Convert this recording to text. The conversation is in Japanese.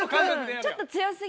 ちょっと強過ぎ。